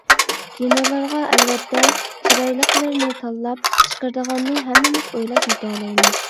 كىنولارغا ئەلۋەتتە چىرايلىقلىرىنى تاللاپ چىقىرىدىغاننى ھەممىمىز ئويلاپ يىتەلەيمىز.